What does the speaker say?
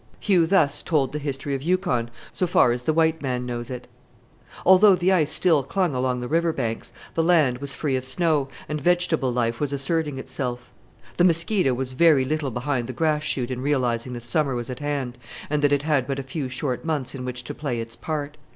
Hugh thus told the history of Yukon so far as the white man knows it. Although the ice still clung along the river banks, the land was free of snow, and vegetable life was asserting itself. The mosquito was very little behind the grass shoot in realizing that summer was at hand, and that it had but a few short months in which to play its part!